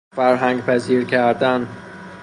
فرهنگ پذیرکردن